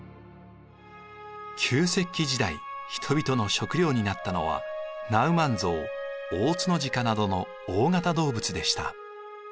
旧石器時代人々の食料になったのはナウマンゾウオオツノジカなどの大型動物でした。